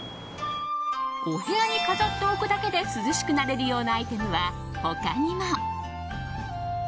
お部屋に飾っておくだけで涼しくなれるようなアイテムは他にも。